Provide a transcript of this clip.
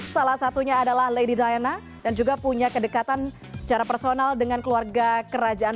salah satunya adalah lady diana dan juga punya kedekatan secara personal dengan keluarga kerajaan